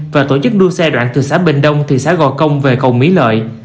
và tổ chức đua xe đoạn từ xã bình đông thị xã gò công về cầu mỹ lợi